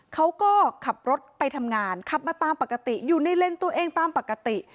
เขาก็ขับรถไปทำงานขับมาตามปกติอยู่ในเลนส์ตัวเองตามปกติ